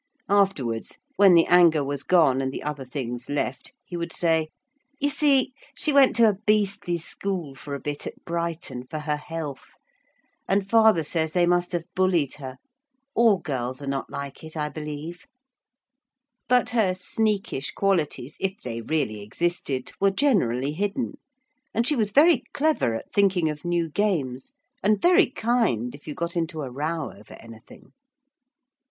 Afterwards, when the anger was gone and the other things left, he would say, 'You see she went to a beastly school for a bit, at Brighton, for her health. And father says they must have bullied her. All girls are not like it, I believe.' But her sneakish qualities, if they really existed, were generally hidden, and she was very clever at thinking of new games, and very kind if you got into a row over anything.